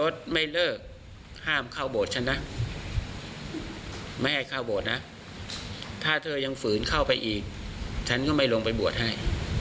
ถ้าเธอยังฝืนเข้าไปอีกฉันก็ไม่ลงไปบวชให้